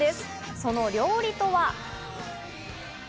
その料理とは？